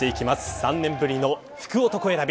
３年ぶりの福男選び